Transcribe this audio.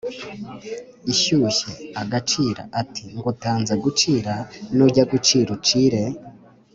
ishyushye/ (agacira) ati ngutanze gucira/ nujya gucira ucire